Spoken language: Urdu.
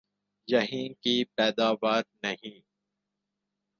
یہیں کی پیداوار نہیں؟